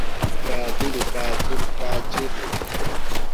Deal With It!